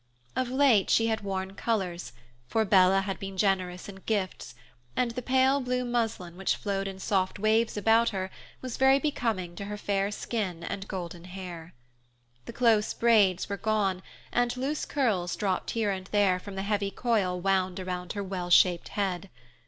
Of late she had worn colors, for Bella had been generous in gifts, and the pale blue muslin which flowed in soft waves about her was very becoming to her fair skin and golden hair. The close braids were gone, and loose curls dropped here and there from the heavy coil wound around her well shaped head.